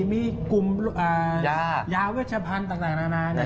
มีกลุ่มยาเวชพันธุ์ต่างนานา